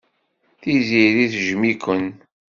Tiziri tejjem-iken.